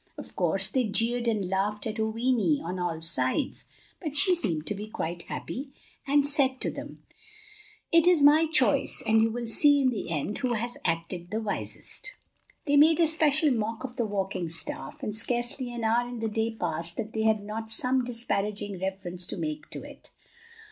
Of course they jeered and laughed at Oweenee on all sides, but she seemed to be quite happy, and said to them: "It is my choice and you will see in the end who has acted the wisest." They made a special mock of the walking staff, and scarcely an hour in the day passed that they had not some disparaging reference to make to it.